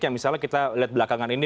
yang misalnya kita lihat belakangan ini